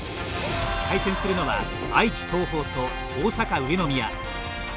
対戦するのは愛知・東邦と大阪・上宮。